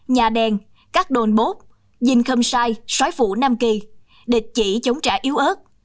nhà đèn các đồn bốt dinh khâm sai xói phủ nam kỳ địch chỉ chống trả yếu ớt